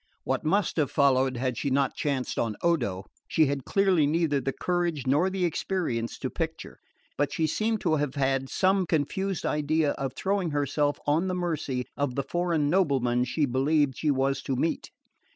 What must have followed had she not chanced on Odo, she had clearly neither the courage nor the experience to picture; but she seemed to have had some confused idea of throwing herself on the mercy of the foreign nobleman she believed she was to meet.